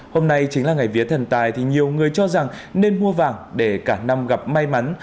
hôm nay chính là ngày vía thần tài thì nhiều người cho rằng nên mua vàng để cả năm gặp may mắn